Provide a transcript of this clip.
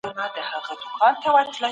هیوادونه چیري د وینا ازادي تمرینوي؟